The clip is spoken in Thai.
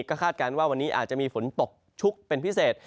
ก็คาดการณ์ว่าวันนี้อาจจะมีฝนตกชุกเป็นพิเศษ